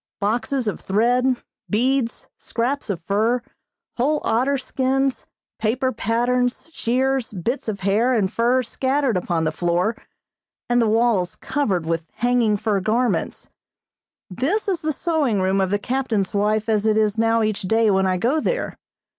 Boxes of thread, beads, scraps of fur, whole otter skins, paper patterns, shears, bits of hair and fur scattered upon the floor, and the walls covered with hanging fur garments; this is the sewing room of the captain's wife as it is now each day when I go there.